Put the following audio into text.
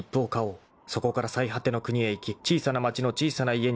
［そこから最果ての国へ行き小さな町の小さな家に住もう］